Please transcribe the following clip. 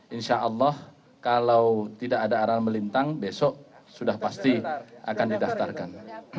insyaallah kalau tidak ada arahan melintang besok sudah pasti akan didaftarkan